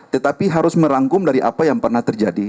tetapi harus merangkum dari apa yang pernah terjadi